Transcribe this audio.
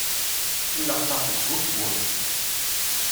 Llexseɣ seg ugeffur.